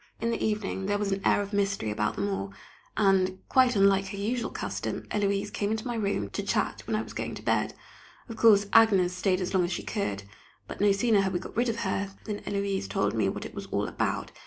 In the evening there was an air of mystery about them all, and, quite unlike her usual custom, Héloise came into my room to chat when I was going to bed. Of course Agnès stayed as long as she could, but no sooner had we got rid of her, than Héloise told me what it was all about.